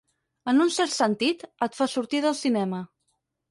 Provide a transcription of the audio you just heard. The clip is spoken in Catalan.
En un cert sentit, et fa sortir del cinema.